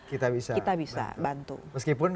kita bisa bantu meskipun